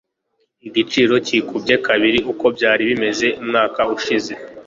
Igiciro cyikubye kabiri uko byari bimeze umwaka ushize.